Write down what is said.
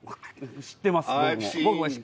知ってます僕も。